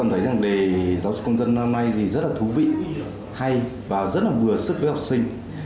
hôm nay thì rất là thú vị hay và rất là vừa sức với học sinh